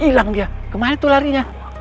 ilang dia kemana tuh larinya